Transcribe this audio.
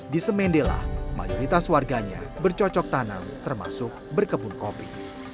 di semendela mayoritas warganya bercocok tanam termasuk berkebun kopi